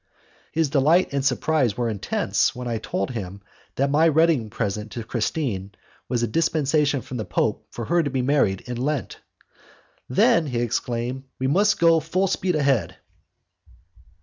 His delight and his surprise were intense when I told him that my wedding present to Christine was a dispensation from the Pope for her to be married in Lent. "Then," he exclaimed, "we must go full speed ahead!"